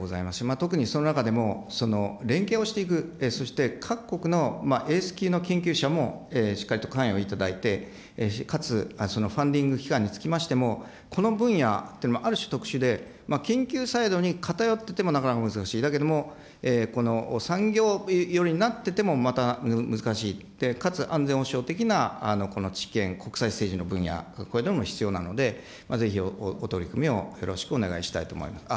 特にその中でも、連携をしていく、そして各国のエース級の研究者もしっかりと関与をいただいて、かつそのファンディングきかんにつきましても、この分野というのはある種特殊で、研究サイドに偏っててもなかなか難しい、だけども、産業寄りになっててもまた難しい、かつ安全保障的なこの知見、国際政治の分野、こういうのも必要なので、ぜひお取り組みをよろしくお願いしたいと思います。